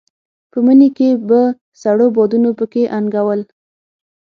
په مني کې به سړو بادونو په کې انګولل.